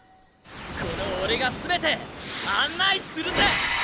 このオレが全て案内するぜ！